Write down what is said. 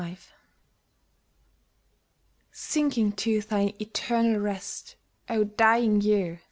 1865 Sinking to thine eternal rest, O dying Year